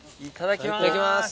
いただきます。